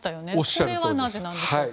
それはなぜなんでしょうか？